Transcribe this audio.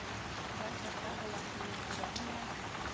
Вася тағы ла көлөмһөрәне лә: